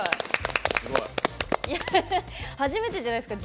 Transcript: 初めてじゃないですか。